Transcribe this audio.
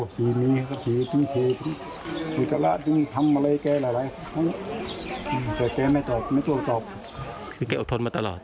คือแกอดทนมาตลอด